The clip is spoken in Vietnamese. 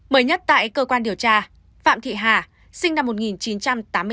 mới nhất tại cơ quan điều tra phạm thị hà sinh năm một nghìn chín trăm tám mươi hai